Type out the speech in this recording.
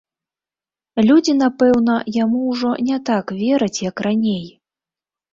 Людзі, напэўна, яму ўжо не так вераць, як раней.